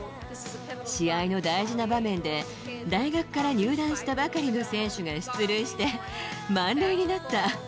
試合の大事な場面で大学から入団したばかりの選手が出塁して満塁になった。